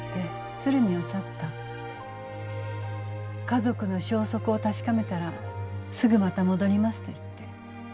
「家族の消息を確かめたらすぐまた戻ります」と言って。